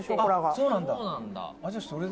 「そうなんだ。